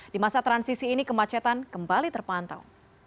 di masa transisi ini kemacetan kembali terpantau